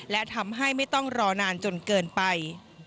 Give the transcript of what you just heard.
และทำให้ไม่ต้องรอนานจนเกินไป